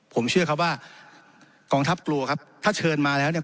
ผมเชื่อครับว่ากองทัพกลัวครับถ้าเชิญมาแล้วเนี่ย